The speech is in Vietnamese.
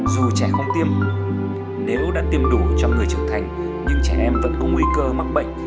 dù trẻ không tiêm nếu đã tiêm đủ cho người trưởng thành nhưng trẻ em vẫn có nguy cơ mắc bệnh